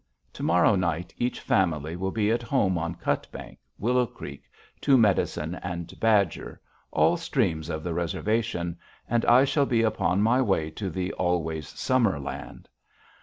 To morrow night each family will be at home on Cutbank, Willow Creek, Two Medicine, and Badger, all streams of the Reservation, and I shall be upon my way to the Always Summer Land.